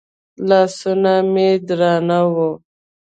لاسونه مې درانه وو.